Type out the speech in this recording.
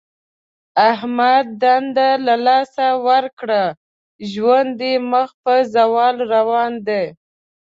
احمد دنده له لاسه ورکړه. ژوند یې مخ په زوال روان دی.